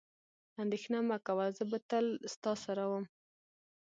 اندېښنه مه کوه، زه به تل ستا سره وم.